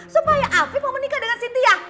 supaya afif mau menikah dengan sitia